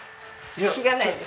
気がないです。